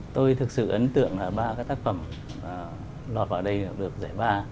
tôi thực sự ấn tượng là ba cái tác phẩm lọt vào đây được giải ba